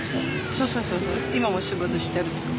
そうそうそうそう今も仕事してるとこ。